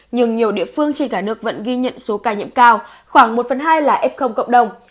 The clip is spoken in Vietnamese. nhưng nhiều địa phương trên cả nước vẫn ghi nhận số ca nhiễm cao khoảng một phần hai là f cộng đồng